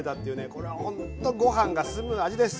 これはほんとご飯が進む味です。